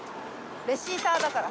レシーターだから。